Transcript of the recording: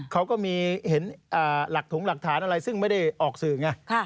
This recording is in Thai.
เขาก็เห็นหลักฐานอะไรซึ่งไม่ได้ออกสื่อ